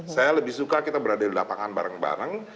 saya lebih suka kita berada di lapangan bareng bareng